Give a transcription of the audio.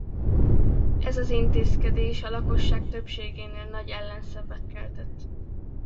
Ez az intézkedés a lakosság többségénél nagy ellenszenvet keltett.